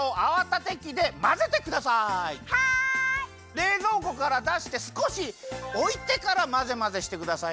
れいぞうこからだしてすこしおいてからまぜまぜしてくださいね。